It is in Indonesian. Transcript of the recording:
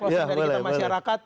ya boleh boleh